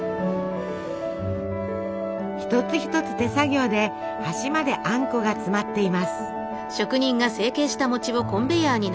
一つ一つ手作業で端まであんこが詰まっています。